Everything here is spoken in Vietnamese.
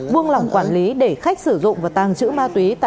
buông lỏng quản lý để khách sử dụng và tàng trữ ma túy